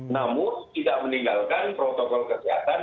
namun tidak meninggalkan protokol kesehatan